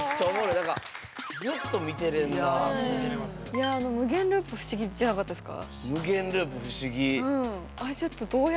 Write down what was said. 何かあの無限ループ不思議じゃなかったですか？